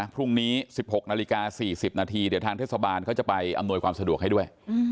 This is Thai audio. พรุ่งนี้๑๖นาฬิกา๔๐นาทีเดี๋ยวทางเทศบาลเขาจะไปอำนวยความสะดวกให้ด้วย